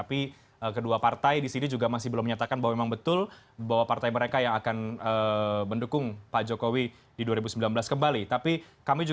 pertimbangan kalau memang partai partai harus mendukung pak jokowi